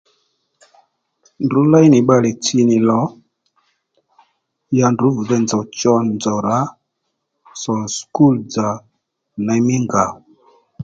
Ndrǔ léy nì bbalè tsi nì lò ya ndrǔ vì dey nzòw cho nzòw rǎ sò skul dzà nì ney mí ngà